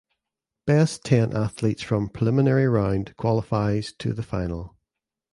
Best ten athletes from preliminary round qualifies to the final.